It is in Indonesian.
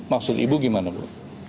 maksud ibu gimana bu